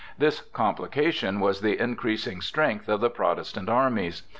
This complication was the increasing strength of the Protestant armies.